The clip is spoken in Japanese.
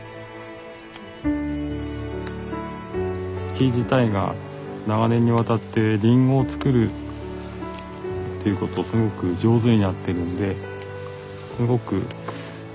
木自体が長年にわたってりんごを作るっていうことをすごく上手になってるんですごくいいりんごがなるんですよね